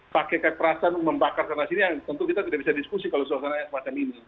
pakai perasaan membakar tanah sini yang tentu kita tidak bisa diskusi kalau suasana yang semacam ini